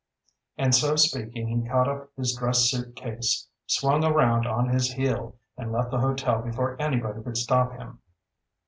And so speaking he caught up his dress suit case, swung around on his heel, and left the hotel before anybody could stop him.